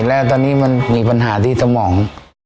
และตอนนี้มันมีปัญหาที่สมอง